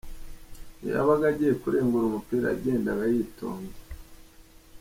Iyo yabaga agiye kurengura umupira yagendaga yitonze.